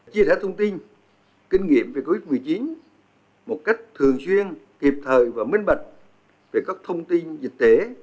chia sẻ thông tin kinh nghiệm về covid một mươi chín một cách thường xuyên kịp thời và minh bạch về các thông tin dịch tễ